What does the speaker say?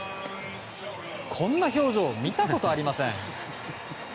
こんな表情見たことありません。